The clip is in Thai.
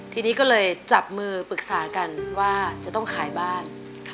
ทีนี้ก็เลยจับมือปรึกษากันว่าจะต้องขายบ้าน